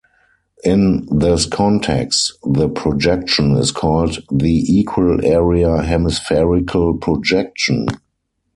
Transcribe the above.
In this context the projection is called the equal-area hemispherical projection.